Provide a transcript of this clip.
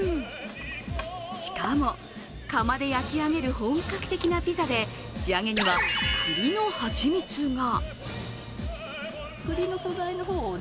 しかも、窯で焼き上げる本格的なピザで、仕上げには栗の蜂蜜が。